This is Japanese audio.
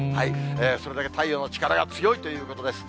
それだけ太陽の力が強いということです。